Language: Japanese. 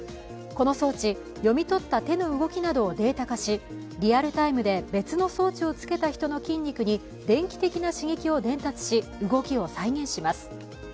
この装置、読み取った手の動きなどをデータ化し、リアルタイムで別の装置をつけた人の筋肉に電気的な刺激を伝達し、動きを再現します。